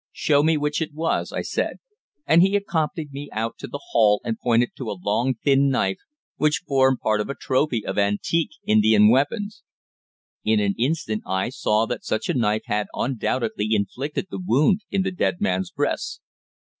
"Show me which it was," I said; and he accompanied me out to the hall and pointed to a long thin knife which formed part of a trophy of antique Indian weapons. In an instant I saw that such a knife had undoubtedly inflicted the wound in the dead man's breast.